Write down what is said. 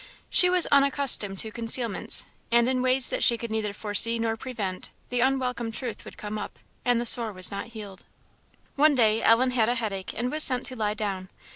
She was unaccustomed to concealments; and in ways that she could neither foresee nor prevent, the unwelcome truth would come up, and the sore was not healed. One day Ellen had a headache and was sent to lie down.